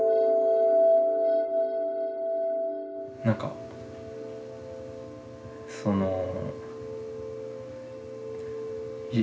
何かその。